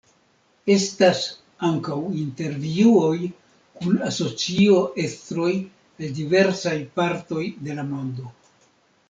Estas ankaŭ intervjuoj kun asocio-estroj el diversaj partoj de la mondo.